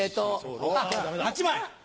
８枚！